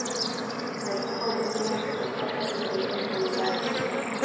alikuwa anapenda kusaidia kazi mbalimbali za nyumbani